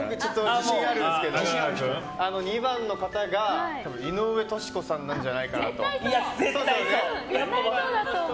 自信あるんですけど２番の方が井上とし子さんなんじゃないかと。